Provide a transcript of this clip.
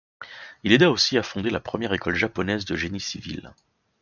Il aida aussi à fonder la première école japonaise de génie civil.